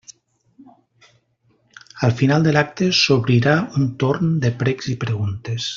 Al final de l'acte s'obrirà un torn de precs i preguntes.